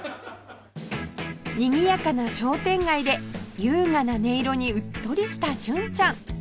にぎやかな商店街で優雅な音色にうっとりした純ちゃん